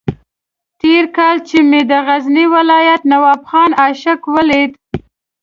تېر کال چې مې د غزني ولایت نواب خان عاشق ولید.